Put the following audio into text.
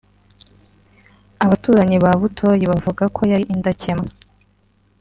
Abaturanyi ba Butoyi bavuga ko yari indakemwa